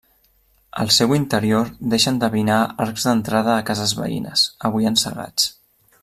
El seu interior deixa endevinar arcs d'entrada a cases veïnes, avui encegats.